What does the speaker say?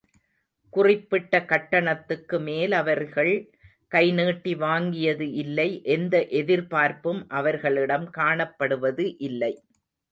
குறிப்பிட்ட கட்டணத்துக்கு மேல் அவர்கள் கை நீட்டி வாங்கியது இல்லை எந்த எதிர்பார்ப்பும் அவர்களிடம் காணப்படுவது இல்லை.